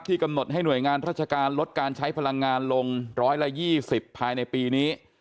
กำหนดให้หน่วยงานราชการลดการใช้พลังงานลง๑๒๐ภายในปีนี้